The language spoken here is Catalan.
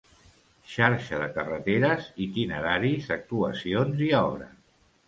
Xarxa de carreteres, itineraris, actuacions i obres.